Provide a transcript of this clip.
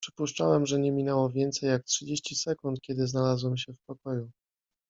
"Przypuszczałem, że nie minęło więcej, jak trzydzieści sekund, kiedy znalazłem się w pokoju."